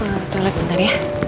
eee enggak aku ke toilet bentar ya